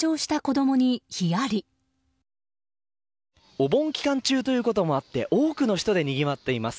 お盆期間中ということもあって多くの人でにぎわっています。